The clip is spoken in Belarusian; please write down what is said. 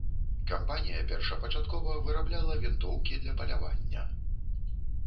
Кампанія першапачаткова вырабляла вінтоўкі для палявання.